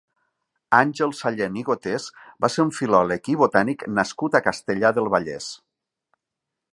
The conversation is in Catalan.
Àngel Sallent i Gotés va ser un filòleg i botànic nascut a Castellar del Vallès.